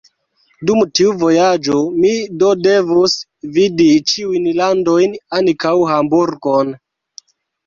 Dum tiu vojaĝo mi do devus vidi ĉiujn landojn, ankaŭ Hamburgon.